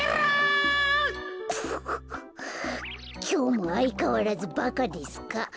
「きょうもあいかわらずバカですか？